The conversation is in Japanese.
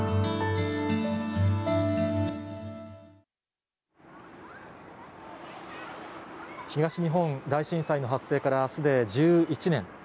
東日本大震災の発生からあすで１１年。